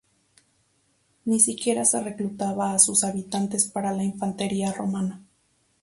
Ni siquiera se reclutaba a sus habitantes para la infantería romana.